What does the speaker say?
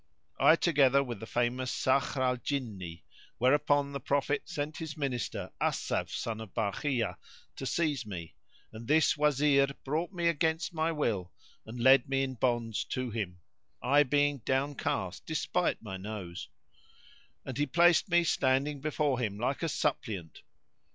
I together with the famous Sakhr al Jinni;"[FN#71] whereupon the Prophet sent his minister, Asaf son of Barkhiya, to seize me; and this Wazir brought me against my will and led me in bonds to him (I being downcast despite my nose) and he placed me standing before him like a suppliant.